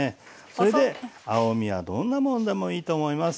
それで青みはどんなものでもいいと思います。